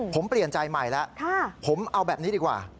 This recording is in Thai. ผมเปลี่ยนใจใหม่แล้วผมเอาแบบนี้ดีกว่า